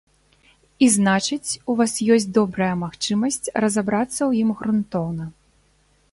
І, значыць, у вас ёсць добрая магчымасць разабрацца ў ім грунтоўна.